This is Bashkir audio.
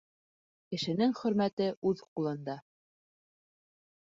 Кешенең хөрмәте үҙ ҡулында.